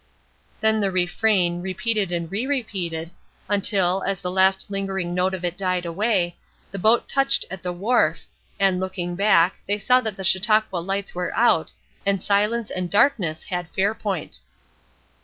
Then the refrain, repeated and re repeated, until, as the last lingering note of it died away, the boat touched at the wharf, and looking back, they saw that the Chautauqua lights were out, and silence and darkness had Fairpoint.